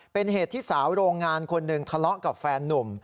เป็นเหตุที่สาวโรงงานคนหนึ่งทะเลาะกับแฟนนุ่ม